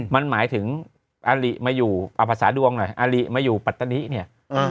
มันหมายถึงอลิมาอยู่เอาภาษาดวงหน่อยอาริมาอยู่ปัตตานิเนี่ย